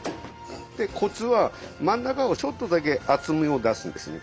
でコツは真ん中をちょっとだけ厚みを出すんですね。